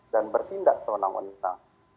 dan bertindak sewenang wenang